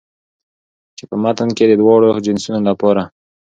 چې په متن کې د دواړو جنسونو لپاره